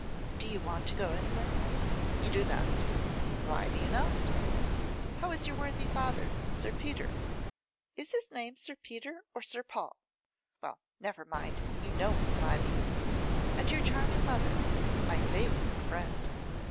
Do you want to go anywhere? You do not! Why do not you? How is your worthy father, Sir Peter? Is his name Sir Peter or Sir Paul? Well, never mind, you know whom I mean. And your charming mother, my favourite friend?